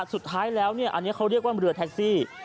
สุดท้ายแล้วอันนี้เขาเรียกว่าเรือแท็กซี่